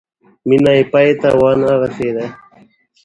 مینه یې پای ته ونه رسېده.